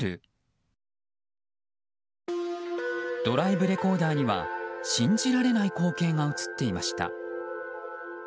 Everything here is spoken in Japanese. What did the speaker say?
ドライブレコーダーには信じられない光景が映っていました。